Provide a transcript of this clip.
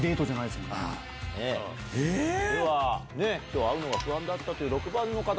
では今日会うのが不安だった６番の方